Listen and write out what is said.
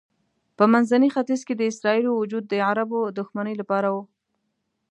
په منځني ختیځ کې د اسرائیلو وجود د عربو د دښمنۍ لپاره و.